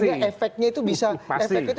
sehingga efeknya itu bisa kesat